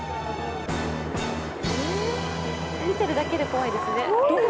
見てるだけで怖いですね。